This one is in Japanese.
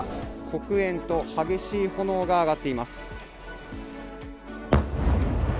黒煙と激しい炎が上がっています。